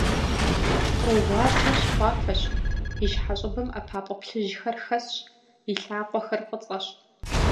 Къру гъуабжэр щхъуафэщ, и щхьэ щӀыбым ӀэпапӀэ плъыжьхэр хэсщ, и лъакъуэхэр фӀыцӀэщ.